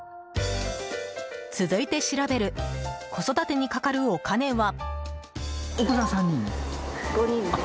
続いて調べる子育てにかかるお金は。